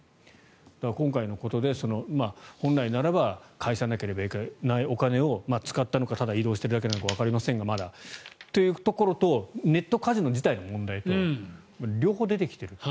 今回のことで本来なら返さなければいけないお金を使ったのかただ移動しているのかわかりませんがというところとネットカジノ自体の問題と両方出てきていると。